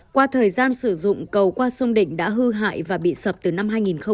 qua thời gian sử dụng cầu qua sông định đã hư hại và bị sập từ năm hai nghìn một mươi